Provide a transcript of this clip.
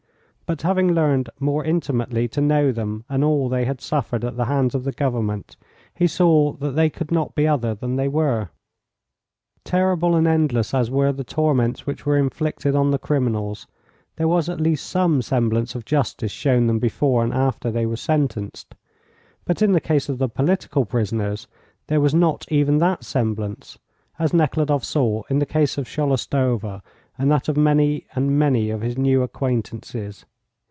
But having learned more intimately to know them and all they had suffered at the hands of the government, he saw that they could not be other than they were. Terrible and endless as were the torments which were inflicted on the criminals, there was at least some semblance of justice shown them before and after they were sentenced, but in the case of the political prisoners there was not even that semblance, as Nekhludoff saw in the case of Sholostova and that of many and many of his new acquaintances.